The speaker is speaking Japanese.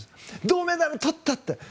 銅メダル、取った！って。